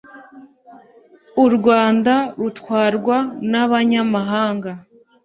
u rwanda rutwarwa n' abanyamahanga